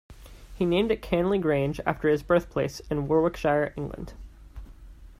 He named it Canley Grange after his birthplace in Warwickshire, England.